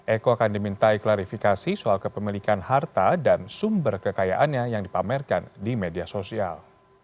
eko akan dimintai klarifikasi soal kepemilikan harta dan sumber kekayaannya yang dipamerkan di media sosial